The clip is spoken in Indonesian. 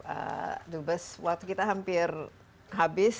aduh bes waktu kita hampir habis